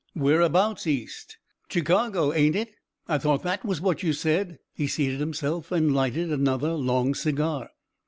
"Whereabouts East?" "Chicago, ain't it? I thought that was what you said." He seated himself and lighted another long cigar.